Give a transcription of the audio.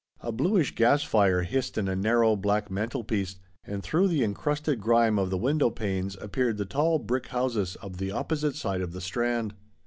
A bluish gas fire hissed in a narrow, black man telpiece, and through the encrusted grime of the window panes appeared the tall brick houses of the opposite side of the Strand.